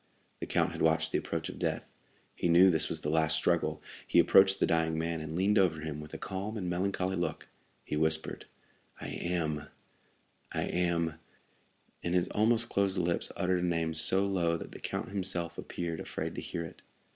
The count had watched the approach of death. He knew this was the last struggle. He approached the dying man, and, leaning over him with a calm and melancholy look, he whispered, "I am—I am——" And his almost closed lips uttered a name so low that the count himself appeared afraid to hear it.